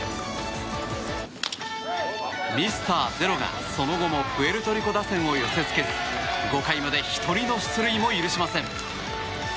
ミスターゼロがその後もプエルトリコ打線を寄せ付けず５回まで１人の出塁も許しません。